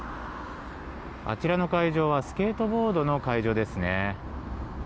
あちらの会場はスケートボードの会場ですね。